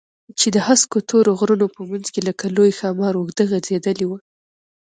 چې د هسکو تورو غرونو په منځ کښې لکه لوى ښامار اوږده غځېدلې وه.